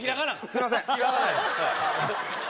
すいません